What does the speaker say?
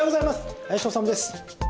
林修です。